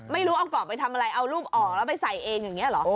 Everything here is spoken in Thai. ไม่รู้เอากรอบไปทำอะไรเอารูปออกแล้วไปใส่เองอย่างนี้เหรอ